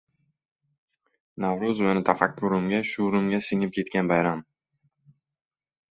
Navruz meni tafakkurimga, shuurimga singib ketgan bayram.